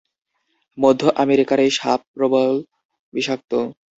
মধ্য আমেরিকার এই সাপ প্রবল বিষাক্ত।